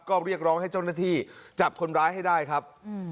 ก็เรียกร้องให้เจ้าหน้าที่จับคนร้ายให้ได้ครับ